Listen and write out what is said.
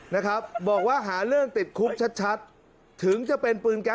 นะครับบอกว่าหาเรื่องติดคุกชัดถึงจะเป็นปืนแก๊